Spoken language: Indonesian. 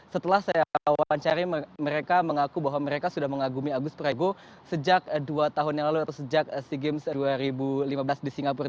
setelah saya wawancari mereka mengaku bahwa mereka sudah mengagumi agus prayogo sejak dua tahun yang lalu atau sejak sea games dua ribu lima belas di singapura